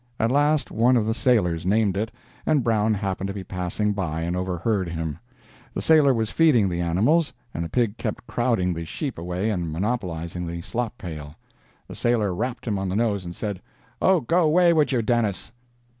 At last one of the sailors named it, and Brown happened to be passing by and overheard him. The sailor was feeding the animals, and the pig kept crowding the sheep away and monopolizing the slop pail. The sailor rapped him on the nose and said: "Oh, go way wid you, Dennis."